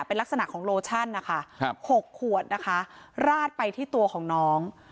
เป็นลักษณะของโลชั่นนะคะ๖ขวดนะคะราดไปที่ตัวของน้อง